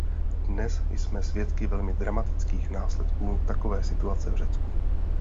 Dnes jsme svědky velmi dramatických následků takové situace v Řecku.